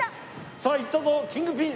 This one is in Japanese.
さあいったぞキングピン！